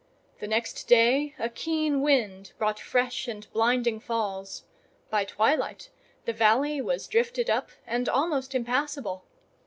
The next day a keen wind brought fresh and blinding falls; by twilight the valley was drifted up and almost impassable.